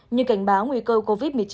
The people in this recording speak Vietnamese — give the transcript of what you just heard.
nhưng cảnh báo nguy cơ covid một mươi chín